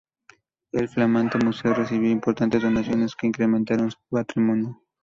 El flamante Museo recibió importantes donaciones que incrementaron su patrimonio.